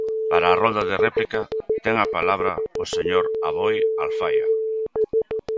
Para a rolda de réplica ten a palabra o señor Aboi Alfaia.